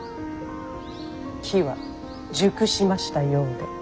機は熟しましたようで。